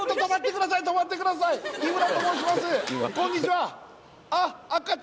こんにちは！